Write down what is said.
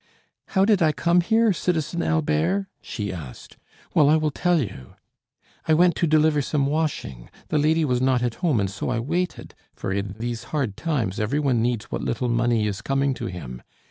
"How did I come here, Citizen Albert?" she asked. "Well, I will tell you. I went to deliver some washing. The lady was not at home, and so I waited; for in these hard times every one needs what little money is coming to him.